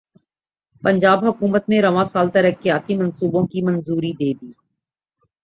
پنجاب حکومت نے رواں سال ترقیاتی منصوبوں کی منظوری دیدی